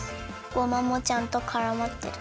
ごまもちゃんとからまってる。